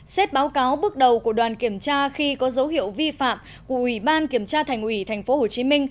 xét báo cáo bước đầu của đoàn kiểm tra khi có dấu hiệu vi phạm của ủy ban kiểm tra thành ủy tp hcm